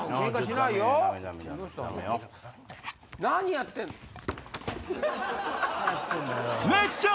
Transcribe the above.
何やってんの？